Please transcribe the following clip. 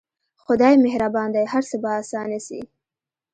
خداى مهربان دى هر څه به اسانه سي.